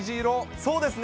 そうですね。